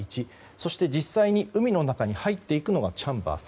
そして実際に海の中に入っていくのはチャンバー３。